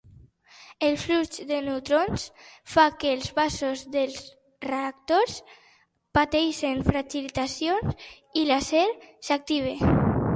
El flux de neutrons fa que els vasos dels reactors pateixin fragilització i l'acer s'activi.